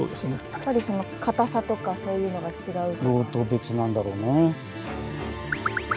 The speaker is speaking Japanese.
やっぱりそのかたさとかそういうのが違うとか？